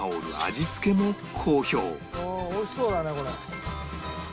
美味しそうだねこれ。